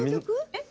えっ？